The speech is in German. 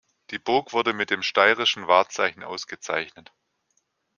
Die Burg wurde mit dem Steirischen Wahrzeichen ausgezeichnet.